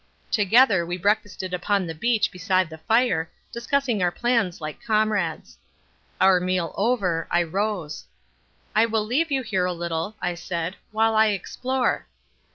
Together we breakfasted upon the beach beside the fire, discussing our plans like comrades. Our meal over, I rose. "I will leave you here a little," I said, "while I explore."